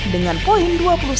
dengan poin dua puluh sembilan